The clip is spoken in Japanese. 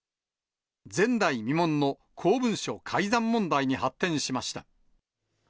前代未聞の公文書改ざん問題に発展しました。